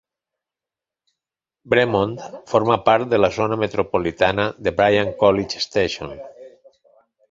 Bremond forma part de la zona metropolitana de Bryan-College Station.